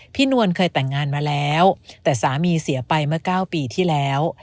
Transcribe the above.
นวลเคยแต่งงานมาแล้วแต่สามีเสียไปเมื่อ๙ปีที่แล้ว